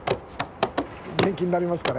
・元気になりますかね？